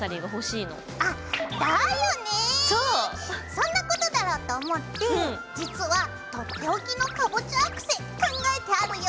そんなことだろうと思って実はとっておきのかぼちゃアクセ考えてあるよ！